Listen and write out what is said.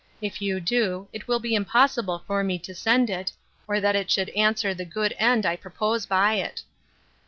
If you do, it will be impossible for me to send it, or that it should answer the good end I propose by it.